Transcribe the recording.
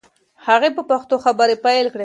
هغې په پښتو خبرې پیل کړې.